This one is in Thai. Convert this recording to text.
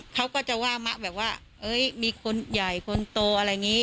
เขาก็จะว่ามะแบบว่ามีคนใหญ่คนโตอะไรอย่างนี้